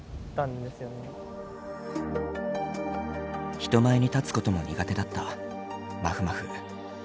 人前に立つことも苦手だったまふまふ。